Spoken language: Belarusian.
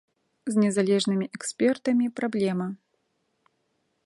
З незалежнымі экспертамі праблема.